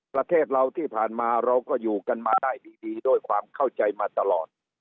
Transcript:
ประเทศเราที่ผ่านมาเราก็อยู่กันมาได้ดีด้วยความเข้าใจมาตลอด